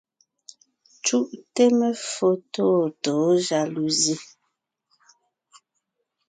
Cúʼte meffo tôtǒ jaluzi.